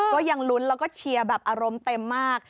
ก็ยังลุ้นแล้วก็เชียร์แบบอารมณ์เต็มมาก